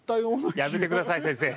やめて下さい先生。